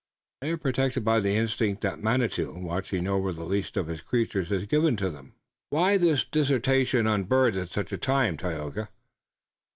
They are protected by the instinct that Manitou, watching over the least of his creatures, has given to them." "Why this dissertation on birds at such a time, Tayoga?"